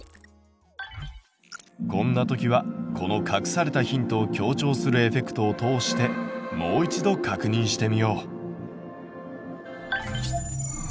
こんな時はこの隠されたヒントを強調するエフェクトを通してもう一度確認してみよう！